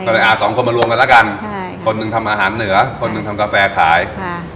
ก็เลยอ่าสองคนมารวมกันแล้วกันใช่คนหนึ่งทำอาหารเหนือคนหนึ่งทำกาแฟขายค่ะ